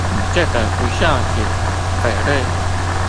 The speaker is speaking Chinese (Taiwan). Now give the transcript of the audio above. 你這個不肖子、匪類